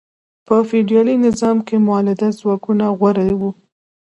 په فیوډالي نظام کې مؤلده ځواکونه غوره وو.